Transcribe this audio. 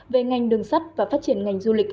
về ngành đường sắt và phát triển ngành du lịch